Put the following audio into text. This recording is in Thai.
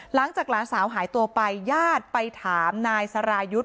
หลังจากหลานสาวหายตัวไปญาติไปถามนายสรายุทธ์